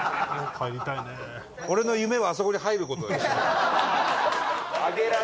俺の夢はあそこに入る事だから。